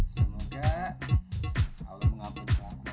semoga allah mengaburkan